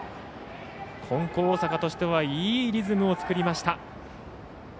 金光大阪としてはいいリズムを作りました。